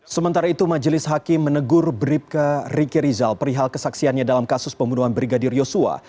sementara itu majelis hakim menegur bribka riki rizal perihal kesaksiannya dalam kasus pembunuhan brigadir yosua